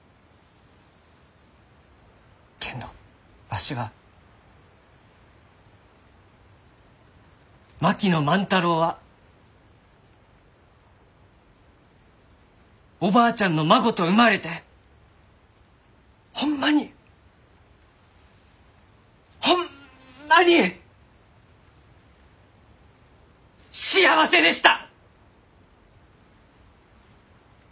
けんどわしは槙野万太郎はおばあちゃんの孫と生まれてホンマにホンマに幸せでした！